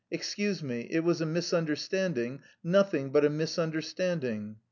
excuse me, it was a misunderstanding, nothing but a misunderstanding.'